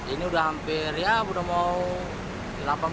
ini udah hampir ya udah mau delapan belas jam lah